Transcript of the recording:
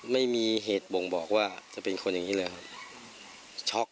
ไม่มีเหตุบ่งบอกว่าจะเป็นคนอย่างนี้เลยครับช็อก